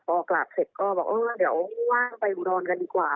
พอกราบเสร็จก็บอกเออเดี๋ยวว่างไปอุดรกันดีกว่า